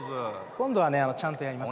今度はねちゃんとやります。